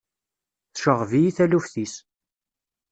Tceɣɣeb-iyi taluft-is.